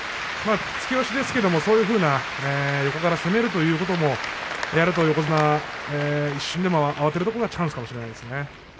突き押しですけどもそういうふうな横から攻めるということもやると横綱、一瞬でも慌てるところがチャンスかもしれません。